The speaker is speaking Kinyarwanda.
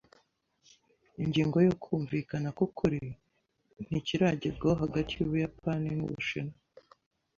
Ingingo yo kumvikana kwukuri ntikiragerwaho hagati yUbuyapani nu Bushinwa.